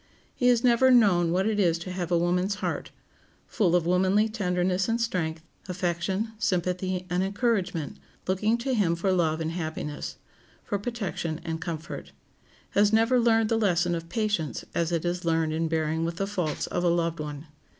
He has never known what it is to have a woman's heart, full of womanly tenderness and strength, affection, sympathy, and encouragement, looking to him for love and happiness, for protection and comfort; has never learned the lesson of patience as it is learned in bearing with the faults of a loved one.